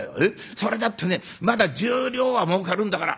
それだってねまだ１０両はもうかるんだから。